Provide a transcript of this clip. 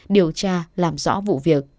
điều tra làm rõ vụ việc